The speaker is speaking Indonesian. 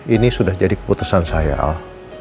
ini sudah jadi keputusan saya al